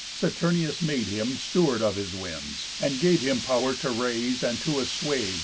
Saturnius made him Steward of his Winds, And gave him pow'r to raise and to assuage.